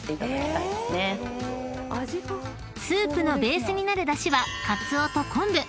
［スープのベースになるダシはかつおと昆布］